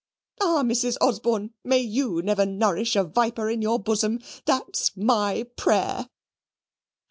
Ah, Mrs. Osborne! may YOU never nourish a viper in your bosom, that's MY prayer."